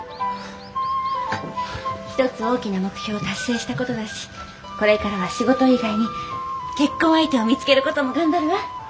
一つ大きな目標を達成した事だしこれからは仕事以外に結婚相手を見つける事も頑張るわ。